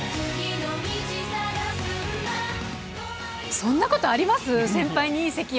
そんなことあります？